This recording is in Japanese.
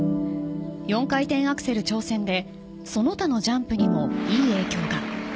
４回転アクセル挑戦でその他のジャンプにもいい影響が。